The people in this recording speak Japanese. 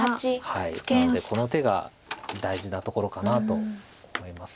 なのでこの手が大事なところかなと思います。